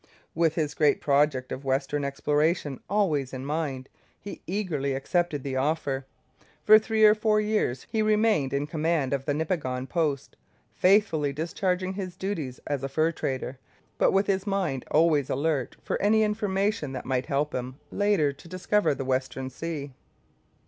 With his great project of western exploration always in mind, he eagerly accepted the offer. For three or four years he remained in command of the Nipigon post, faithfully discharging his duties as a fur trader, but with his mind always alert for any information that might help him later to discover a way to the Western Sea.